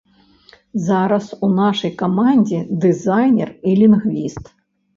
Зараз у нашай камандзе дызайнер і лінгвіст.